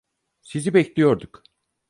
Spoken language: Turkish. Sizi bekliyorduk.